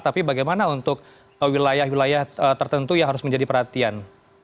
tapi bagaimana untuk wilayah wilayah tertentu yang harus menjadi perhatian